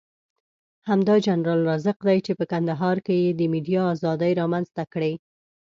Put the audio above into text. همدا جنرال رازق دی چې په کندهار کې یې د ميډيا ازادي رامنځته کړې.